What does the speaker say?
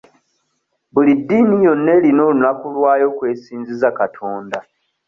Buli ddiini yonna erina olunaku olwayo kw'esinziza Katonda.